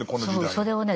それをね